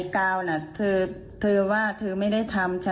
อถ้าจะเรียกนี้ก็อยู่ประมาณ๔๐๐๐๐๐ฮะ